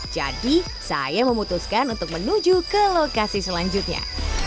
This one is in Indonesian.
jadi saya memutuskan untuk menuju ke lokasi selanjutnya